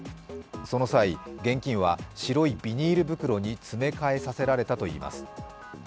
その際、現金は白いビニール袋に詰め替えさせられたといいます。